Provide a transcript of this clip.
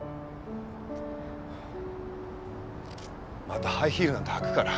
またハイヒールなんて履くから。